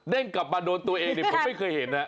กลับมาโดนตัวเองผมไม่เคยเห็นนะ